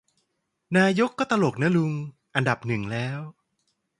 นายกก็ตลกนะลุง อันดับหนึ่งแล้ว